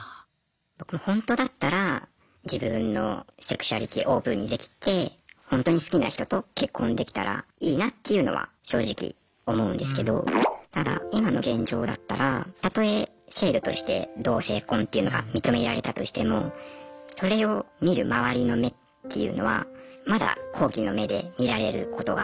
僕ほんとだったら自分のセクシュアリティーオープンにできてほんとに好きな人と結婚できたらいいなっていうのは正直思うんですけどただ今の現状だったらたとえ制度として同性婚というのが認められたとしてもそれを見る周りの目っていうのはまだ好奇の目で見られることが。